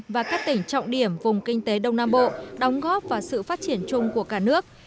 và các tỉnh trọng điểm vùng kinh tế đông nam bộ đóng góp vào sự phát triển chung của cả nước